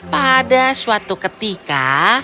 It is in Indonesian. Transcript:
pada suatu ketika